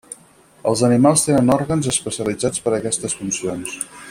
Els animals tenen òrgans especialitzats per aquestes funcions.